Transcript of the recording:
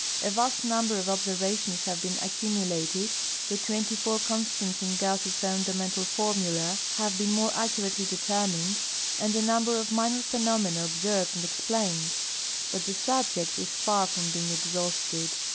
A vast number of observations have been accumulated, the 24 constants in Gauss' funda mental formula have been more accuratel}' determined, and a numl>er of minor phenomena observed and explained, but the subject is far from being exhausted.